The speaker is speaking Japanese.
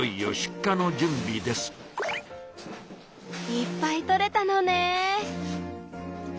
いっぱいとれたのね。